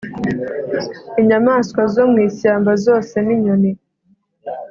inyamaswa zo mu ishyamba zose, n’inyoni